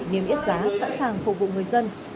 niêm yếp giá sẵn sàng phục vụ người dân